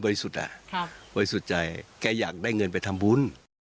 บริสุทธิ์ใจแก้อยากได้เงินไปทำบุญ